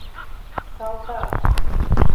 Салтак.